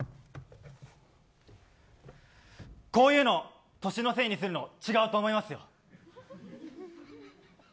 こういうの歳のせいにするの違うと思いますよ。